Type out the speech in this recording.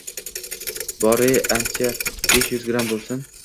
Bor-e, ana besh yuz gramm boʻlsin